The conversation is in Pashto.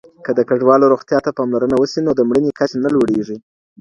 که د کډوالو روغتیا ته پاملرنه وسي، نو د مړینې کچه نه لوړیږي.